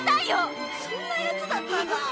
・そんなやつだったんだ！